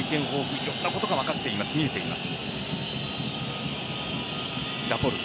いろんなことが分かっています見えています。